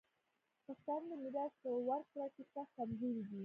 پښتانه د میراث په ورکړه کي سخت کمزوري دي.